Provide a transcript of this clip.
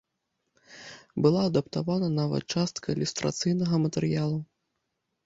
Была адаптавана нават частка ілюстрацыйнага матэрыялу.